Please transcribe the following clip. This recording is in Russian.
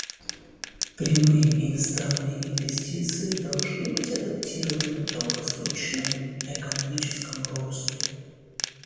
Прямые иностранные инвестиции должны быть адаптированы к долгосрочному экономическому росту.